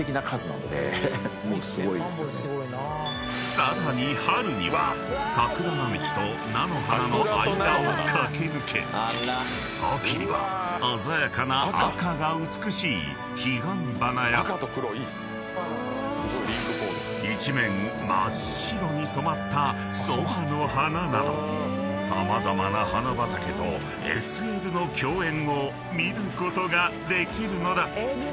［さらに春には桜並木と菜の花の間を駆け抜け秋には鮮やかな赤が美しい彼岸花や一面真っ白に染まったそばの花など様々な花畑とＳＬの共演を見ることができるのだ］